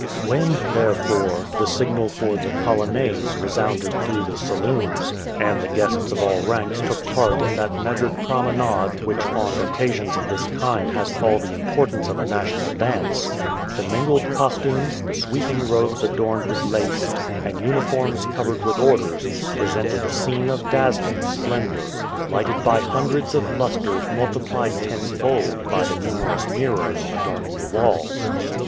When, therefore, the signal for the "polonaise" resounded through the saloons, and the guests of all ranks took part in that measured promenade, which on occasions of this kind has all the importance of a national dance, the mingled costumes, the sweeping robes adorned with lace, and uniforms covered with orders, presented a scene of dazzling splendor, lighted by hundreds of lusters multiplied tenfold by the numerous mirrors adorning the walls.